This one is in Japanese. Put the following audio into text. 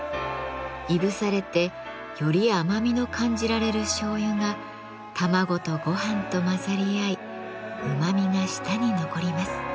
いぶされてより甘みの感じられるしょうゆが卵とごはんと混ざり合いうまみが舌に残ります。